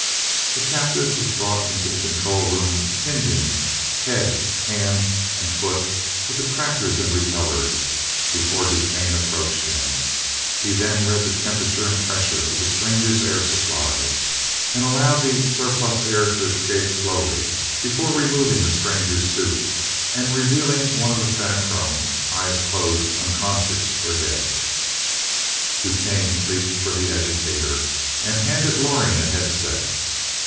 The captive was brought into the control room pinioned head, hand, and foot with attractors and repellers, before DuQuesne approached him. He then read the temperature and pressure of the stranger's air supply, and allowed the surplus air to escape slowly before removing the stranger's suit and revealing one of the Fenachrone eyes closed, unconscious or dead. DuQuesne leaped for the educator and handed Loring a headset.